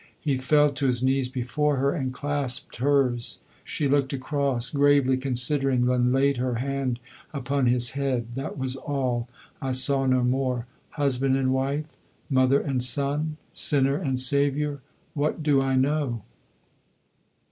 He fell to his knees before her and clasped hers. She looked across, gravely considering, then laid her hand upon his head. That was all. I saw no more. Husband and wife? Mother and son? Sinner and Saviour? What do I know?